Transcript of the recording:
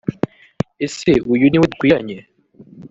ese uyu ni we dukwiranye